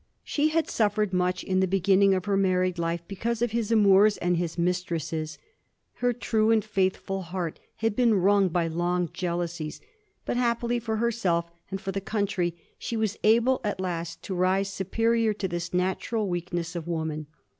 She had suffered much in the beginning of her mar ried life because of his amours and his mistresses. Her true and faithful heart had been wnmg by long jealousies ; but, happily for herself and for the country, she was able at last to rise superior to this natural weakness of woman.